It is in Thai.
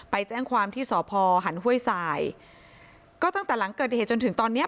ไปแจ้งความที่สพหันห้วยสายก็ตั้งแต่หลังเกิดเหตุจนถึงตอนเนี้ย